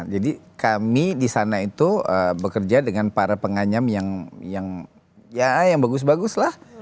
jadi kami disana itu bekerja dengan para penganyam yang ya yang bagus bagus lah